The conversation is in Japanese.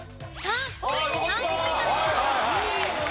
３ポイントです。